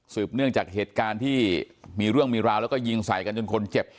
เนื่องจากเหตุการณ์ที่มีเรื่องมีราวแล้วก็ยิงใส่กันจนคนเจ็บ